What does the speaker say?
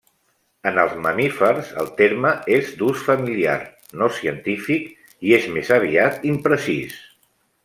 En els mamífers el terme és d'ús familiar, no científic i és més aviat imprecís.